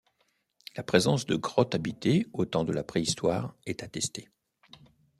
La présence de grottes habitées au temps de la préhistoire est attestée.